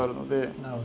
なるほど。